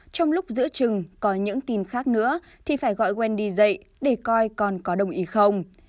trong lúc giữ chừng có những tin khác nữa thì phải gọi wendy dậy để coi con có đồng ý không